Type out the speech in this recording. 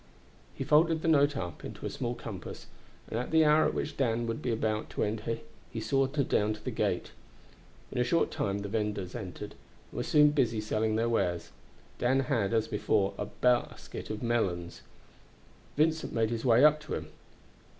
He folded the note up into a small compass, and at the hour at which Dan would be about to enter he sauntered down to the gate. In a short time the vendors entered, and were soon busy selling their wares. Dan had, as before, a basket of melons. Vincent made his way up to him.